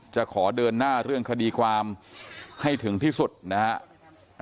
จะขอเดินหน้าเรื่องคดีความให้ถึงที่สุดนะครับ